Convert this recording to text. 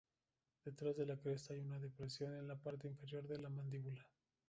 Detrás de la cresta hay una depresión en la parte inferior de la mandíbula.